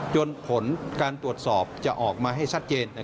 ผลการตรวจสอบจะออกมาให้ชัดเจน